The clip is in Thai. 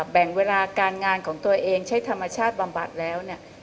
แบ่งเวลาการงานของตัวเองใช้ธรรมชาติบำบัดแล้วเนี่ย